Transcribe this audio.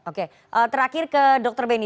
oke terakhir ke dr beni